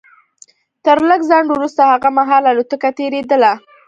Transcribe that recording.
تر لږ ځنډ وروسته هغه مهال الوتکه تېرېدله